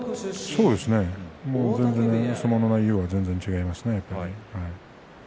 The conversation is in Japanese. そうですね相撲の内容が全然違いますねやっぱり。